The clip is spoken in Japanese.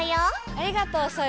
ありがとうソヨ！